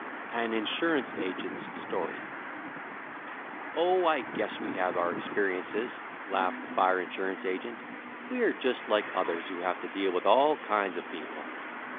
AN INSURANCE AGENT'S STORY "Oh, I guess we have our experiences," laughed the fire insurance agent. "We are just like others who have to deal with all kinds of people.